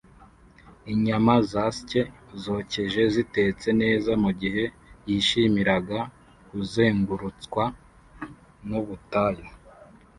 inyama zasye zokeje zitetse neza mugihe yishimiraga kuzengurutswa n'ubutayu.